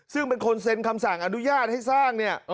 ซึ่งเป็นคนเซ็นคำสั่งอนุญาตให้สร้างเนี่ย